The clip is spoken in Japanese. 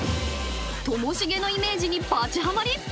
［ともしげのイメージにバチはまり？］